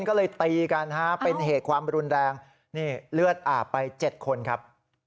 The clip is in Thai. ก็เลยตีกันฮะเป็นเหตุความรุนแรงนี่เลือดอาบไป๗คนครับ